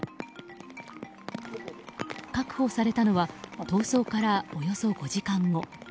確保されたのは逃走からおよそ５時間後。